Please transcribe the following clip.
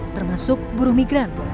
termasuk buru migran